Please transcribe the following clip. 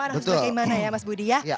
harus bagaimana ya mas budi ya